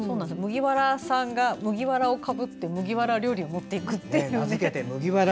麦わらさんが麦わらをかぶって麦わら料理を持っていくと。